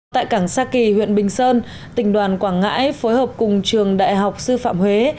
tại cảng sa kỳ huyện bình sơn tỉnh đoàn quảng ngãi phối hợp cùng trường đại học sư phạm huế